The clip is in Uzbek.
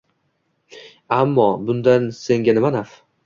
— ammo bundan senga nima naf?